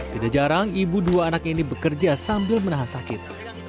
tidak jarang ibu dua anak ini bekerja sambil menahan sakit